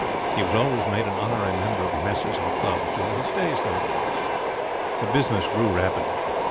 He was always made an honorary member of the messes and clubs, during his stays there. The business grew rapidly.